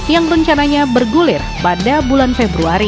yang rencananya bergulir pada bulan februari